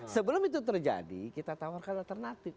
sebelum itu terjadi kita tawarkan alternatif